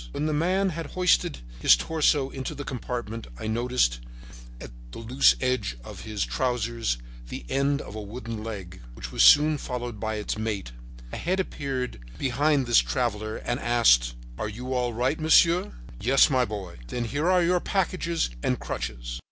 When the man had hoisted his torso into the compartment I noticed, at the loose edge of his trousers, the end of a wooden leg, which was soon followed by its mate. A head appeared behind this traveller and asked; "Are you all right, monsieur?" "Yes, my boy." "Then here are your packages and crutches."